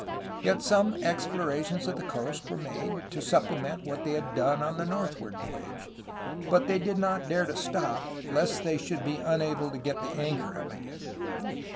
Yet some explorations of the coast were made, to supplement what they had done on the northward voyage, but they did not dare to stop, lest they should be unable to get the anchor up again.